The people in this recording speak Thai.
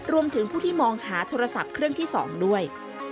รวมถึงผู้ที่มองหาโทรศัพท์เครื่องที่๒ด้วย